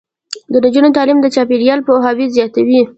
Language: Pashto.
د نجونو تعلیم د چاپیریال پوهاوي زیاتوي.